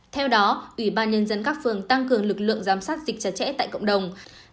theo đó ubnd các phường tăng cường lực lượng giám sát dịch trật trễ tại cộng đồng